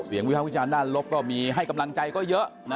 วิภาควิจารณ์ด้านลบก็มีให้กำลังใจก็เยอะนะ